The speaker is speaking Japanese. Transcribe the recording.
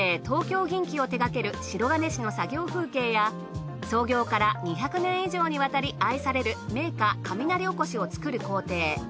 東京銀器を手がける銀師の作業風景や創業から２００年以上にわたり愛される銘菓雷おこしを作る工程。